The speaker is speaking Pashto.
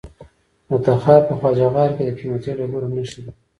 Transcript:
د تخار په خواجه غار کې د قیمتي ډبرو نښې دي.